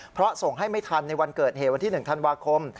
เพราะส่งให้ไม่ทันในวันเกิดเหตุวันที่๑ธันวาคม